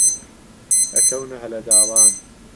ئەکەونە هەلە داوان